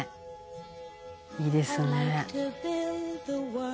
いいですね」